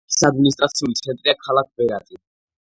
ოლქის ადმინისტრაციული ცენტრია ქალაქი ბერატი.